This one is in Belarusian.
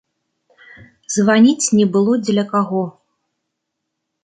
Званіць не было дзеля каго.